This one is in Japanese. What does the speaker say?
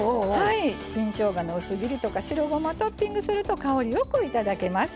新しょうがの薄切りとか白ごまトッピングすると香りよく頂けます。